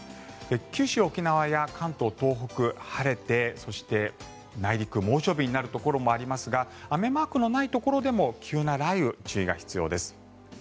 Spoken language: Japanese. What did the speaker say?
九州、沖縄や関東、東北晴れてそして、内陸猛暑日になるところもありますが雨マークのないところでも急な雷雨、注意が必要です。